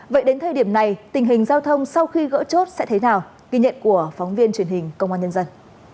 vậy đến thời điểm này tình hình giao thông sau khi gỡ chốt sẽ thế nào ghi nhận của phóng viên truyền hình công an nhân dân